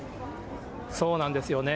そうなんですよね。